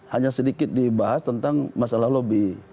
hanya sedikit dibahas tentang masalah lobby